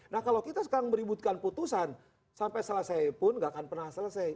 nah kalau kita sekarang meributkan putusan sampai selesai pun gak akan pernah selesai